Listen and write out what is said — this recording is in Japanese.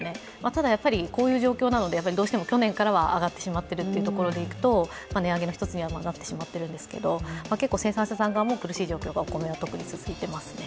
ただ、こういう状況なのでどうしても去年からは上がってしまっているというところでいくと値上げの一つになってしまってるんですが、生産者産側もお米は苦しい状況が続いていますね。